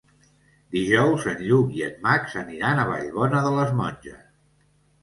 Dijous en Lluc i en Max aniran a Vallbona de les Monges.